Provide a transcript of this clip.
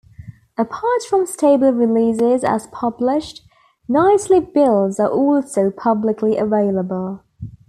Apart from stable releases as published, nightly builds are also publicly available.